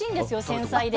繊細で。